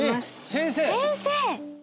先生！